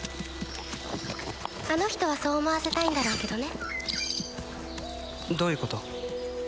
あの人はそう思わせたいんだろうけどねどういうこと？